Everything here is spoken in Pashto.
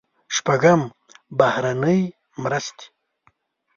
شپږم: بهرنۍ مرستې.